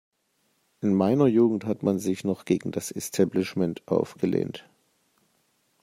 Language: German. In meiner Jugend hat man sich noch gegen das Establishment aufgelehnt.